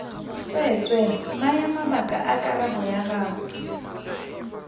Tsweetswee naya mabaka a karabo ya gago.